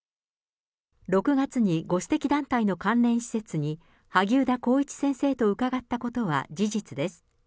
６月にご指摘団体の関連施設に、萩生田光一先生と伺ったことは事実です。